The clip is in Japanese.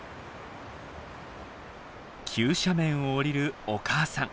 急斜面を下りるお母さん。